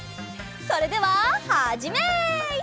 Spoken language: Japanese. それでははじめい！